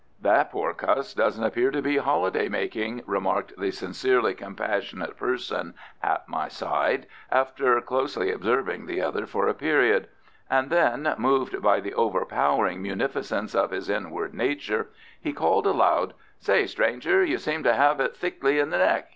"That poor cuss doesn't appear to be holiday making," remarked the sincerely compassionate person at my side, after closely observing the other for a period; and then, moved by the overpowering munificence of his inward nature, he called aloud, "Say, stranger, you seem to have got it thickly in the neck.